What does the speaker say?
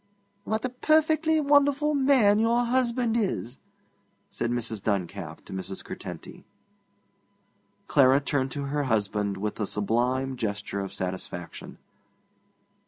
'What a perfectly wonderful man your husband is!' said Mrs. Duncalf to Mrs. Curtenty. Clara turned to her husband with a sublime gesture of satisfaction.